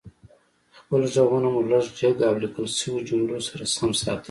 خپل غږونه مو لږ جګ او ليکل شويو جملو سره سم ساتئ